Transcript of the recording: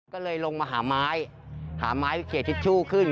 ก็เลยลงมาหาไม้หาไม้เพื่อเคลียร์ทิชชู่ขึ้น